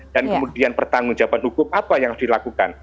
dan kemudian pertanggung jawaban hukum apa yang dilakukan